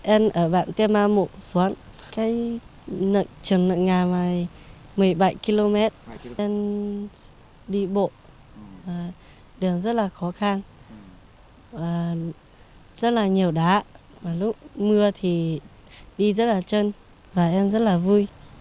em đi bộ đường rất là khó khăn rất là nhiều đá lúc mưa thì đi rất là chân và em rất là vui